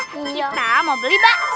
kita mau beli bakso